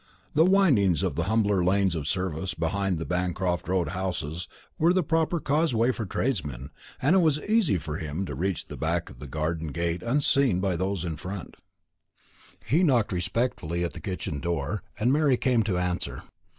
The windings of the humbler lanes of service, behind the Bancroft Road houses, were the proper causeway for tradesmen, and it was easy for him to reach the back garden gate unseen by those in front. He knocked respectfully at the kitchen door, and Mary came to answer.